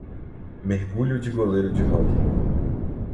Mergulho de goleiro de hóquei